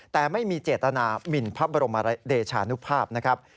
แต่ไม่มีเจตนาหมินพระบรมเดชานุภาพนะครับ